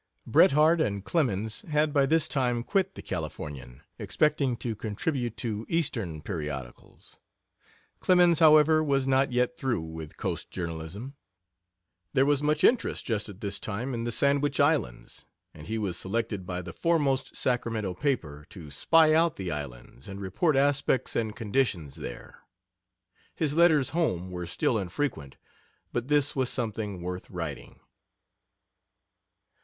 Bret Harte and Clemens had by this time quit the Californian, expecting to contribute to Eastern periodicals. Clemens, however, was not yet through with Coast journalism. There was much interest just at this time in the Sandwich Islands, and he was selected by the foremost Sacramento paper to spy out the islands and report aspects and conditions there. His letters home were still infrequent, but this was something worth writing.